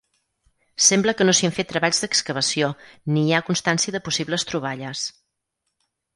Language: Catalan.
Sembla que no s'hi han fet treballs d'excavació ni hi ha constància de possibles troballes.